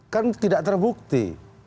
kan tidak terbukti